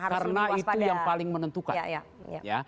karena itu yang paling menentukan